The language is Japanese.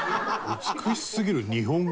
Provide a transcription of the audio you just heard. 「美しすぎる日本語」？